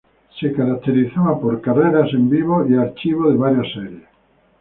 Se caracterizaba por eventos de carreras en vivo y archivados de varias series.